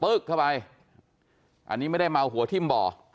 เข้าไปอันนี้ไม่ได้เมาหัวทิ่มบ่อ